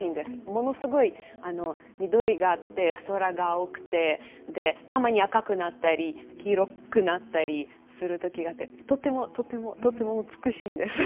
ものすごい緑があって空が青くてたまに赤くなったり黄色くなったりする時があってとてもとてもとても美しいんです。